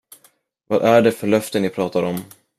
Vad är det för löfte ni pratar om?